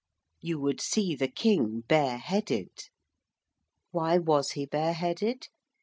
You would see the King bareheaded. Why was he bareheaded?